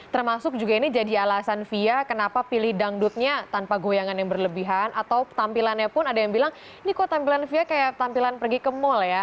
termasuk juga ini jadi alasan fia kenapa pilih dangdutnya tanpa goyangan yang berlebihan atau tampilannya pun ada yang bilang ini kok tampilan fia kayak tampilan pergi ke mall ya